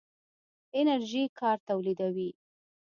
انرژي کار تولیدوي.